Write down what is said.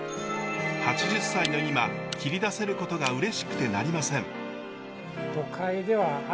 ８０歳の今切り出せることがうれしくてなりません。